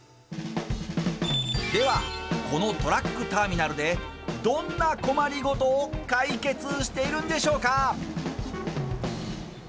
では、このトラックターミナルでどんな困りごとを解決しているんでしょうか。